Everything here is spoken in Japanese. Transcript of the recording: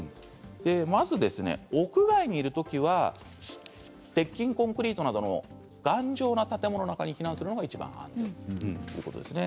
まず屋外にいるときは鉄筋コンクリートなどの頑丈な建物の中に避難するのがいちばん安全ということです。